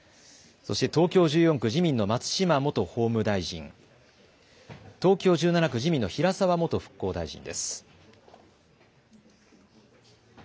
そして東京１４区、自民の松島元法務大臣、東京１７区、自民の平沢元復興大臣です。